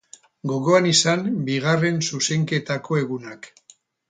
Gogoan izan Bigarren Zuzenketako egunak.